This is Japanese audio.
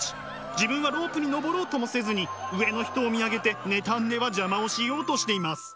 自分はロープに登ろうともせずに上の人を見上げて妬んでは邪魔をしようとしています。